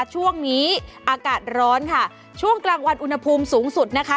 ช่วงนี้อากาศร้อนค่ะช่วงกลางวันอุณหภูมิสูงสุดนะคะ